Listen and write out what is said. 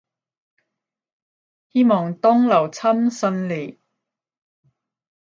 希望當勞侵順利